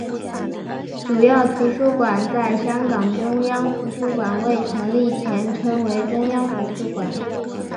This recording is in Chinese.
主要图书馆在香港中央图书馆未成立前称为中央图书馆。